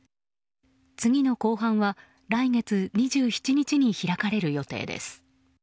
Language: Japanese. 次の公判は来月２７日に開かれる予定です。